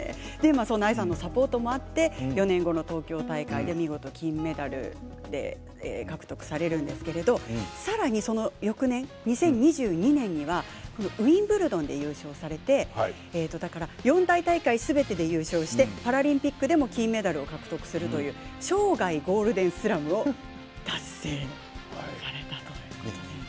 そんな愛さんのサポートもあって４年後の東京大会で見事金メダル獲得されるんですけれどさらに、その翌年、２２年にはウィンブルドンで優勝されてだから四大大会すべてで優勝してパラリンピックでも金メダルを獲得するという生涯ゴールデンスラムを達成されたということです。